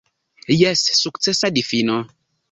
Jes, sukcesa difino.